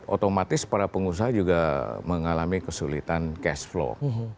otomatis para pengusaha juga mengalami kesulitan cash flow